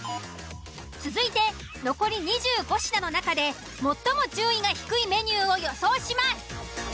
続いて残り２５品の中で最も順位が低いメニュ―を予想します。